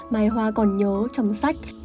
mai hoa còn nhớ trong sách